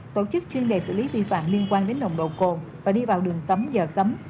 tổ chức chuyên đề xử lý vi phạm liên quan đến nồng độ cồn và đi vào đường cấm giờ cấm